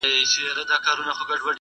موږ ته یې کیسه په زمزمو کي رسېدلې ده!!